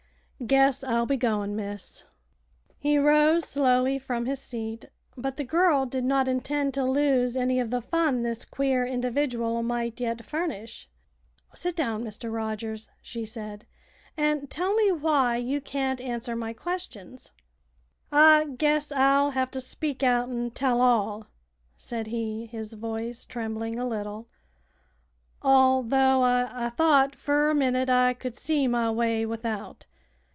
Guess I'll be goin', miss." He rose slowly from his seat, but the girl did not intend to lose any of the fun this queer individual might yet furnish. "Sit down, Mr. Rogers," she said, "and tell me why you can't answer my questions?" "I guess I'll hev to speak out an' tell all," said he, his voice trembling a little, "although I thought fer a minnit I could see my way without.